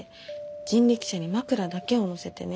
人力車に枕だけを載せてね